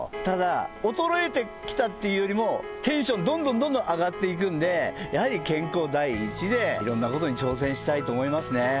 ただ衰えてきたっていうよりもテンションどんどんどんどん上がっていくんでやはり健康第一でいろんなことに挑戦したいと思いますね。